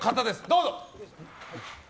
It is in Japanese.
どうぞ！